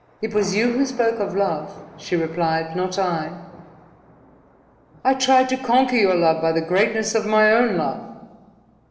"It was you who spoke of love," she replied, "not I." "I tried to conquer your love by the greatness of my own love."